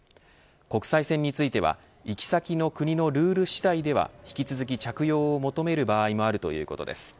国際線については行き先の国のルール次第では引き続き着用を求める場合もあるということです。